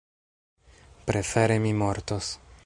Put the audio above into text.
Prefere mi mortos!